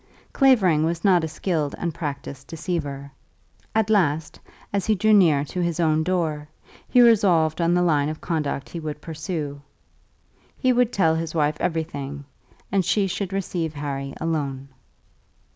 Clavering was not a skilled and practiced deceiver. At last, as he drew near to his own door, he resolved on the line of conduct he would pursue. He would tell his wife everything, and she should receive Harry alone.